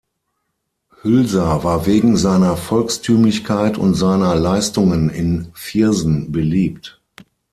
Hülser war wegen seiner Volkstümlichkeit und seiner Leistungen in Viersen beliebt.